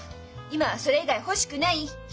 「今はそれ以外欲しくない」よ！